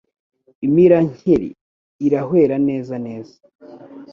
Imira nkeri, irahwera neza neza.